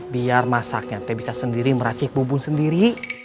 biar masaknya tete bisa sendiri meracik bumbu sendiri